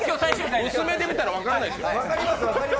薄目で見たら分からない。